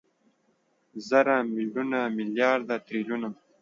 زره، ميليونه، ميليارده، تريليونه